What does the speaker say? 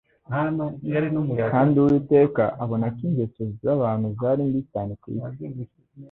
"Kandi Uwiteka abona ' ko ingeso z'abantu zari mbi cyane ku isi,